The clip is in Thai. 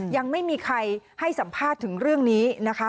ยังไม่มีใครให้สัมภาษณ์ถึงเรื่องนี้นะคะ